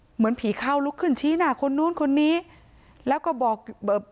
เหมือนผีเข้าลุกขึ้นชี้หน้าคนนู้นคนนี้แล้วก็บอกแบบ